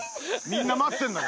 みんな待ってんだ。